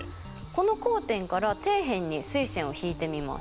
この交点から底辺に垂線を引いてみます。